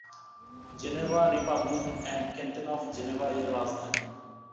Geneva republic and canton of জেনেভা-এর রাজধানী।